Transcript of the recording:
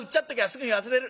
すぐに忘れる。